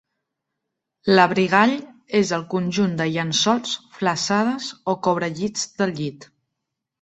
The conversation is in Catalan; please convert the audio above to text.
L'abrigall és el conjunt de llençols, flassades o cobrellits del llit.